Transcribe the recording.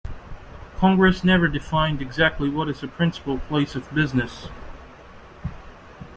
Congress never defined exactly what is a principal place of business.